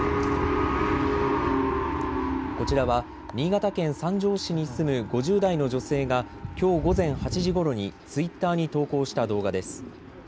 こちらは新潟県三条市に住む５０代の女性がきょう午前８時ごろにツイッターに投稿した動画です。